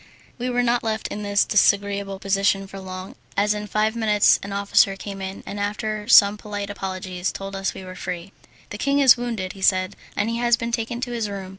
We were not left in this disagreeable position for long, as in five minutes an officer came in, and after some polite apologies told us we were free. "The king is wounded," he said, "and he has been taken to his room.